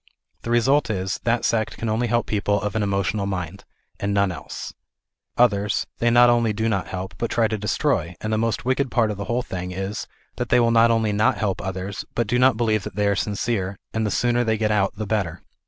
The result is that sect can only help people of an emotional mind, and none else ; others, they not only do not help, but try to destroy, and the most wicked part of the whole thing is that they will not only not help others, but do not believe that they are sincere, and the sooner they get out the better.